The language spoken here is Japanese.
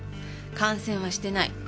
感染はしてない。